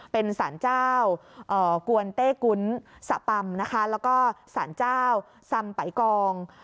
เป็นสารเจ้ากวนเตเก้นสะปำแล้วก็สัรเจ้าสัมไปกอง